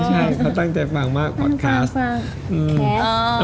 ใช่เขาตั้งใจฟังมากพอดคลาส